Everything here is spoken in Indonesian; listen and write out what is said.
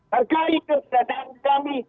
hargai keberadaan kami